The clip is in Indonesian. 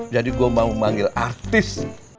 jadi gue mau manggil artis